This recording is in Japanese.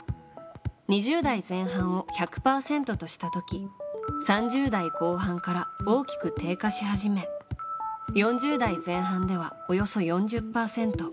２０代前半を１００％とした時３０代後半から大きく低下し始め４０代前半ではおよそ４０％。